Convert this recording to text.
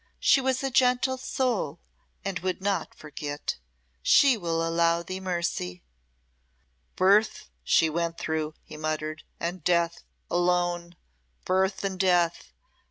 "She was a gentle soul, and would not forget. She will show thee mercy." "Birth she went through," he muttered, "and death alone. Birth and death!